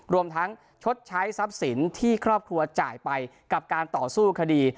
รวมทั้งชดใช้ทรัพย์สินที่ครอบครัวจ่ายไปกับการต่อสู้คดี